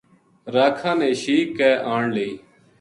راکھاں نے شیک کے آن لئی